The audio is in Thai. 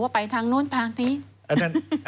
ไปทางนู้นทางนี้